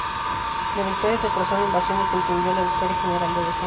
La victoria retrasó la invasión y contribuyó a la victoria general de ese año.